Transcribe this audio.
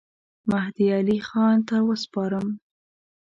مهدي علي خان ته وسپارم.